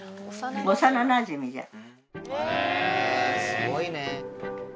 すごいね。